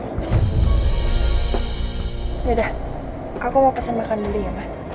yaudah aku mau pesen makan dulu ya ma